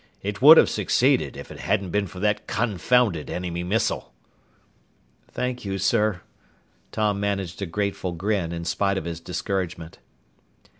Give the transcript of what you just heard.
It would have succeeded if it hadn't been for that confounded enemy missile!" "Thank you, sir." Tom managed a grateful grin, in spite of his discouragement.